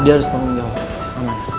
dia harus tanggung jawab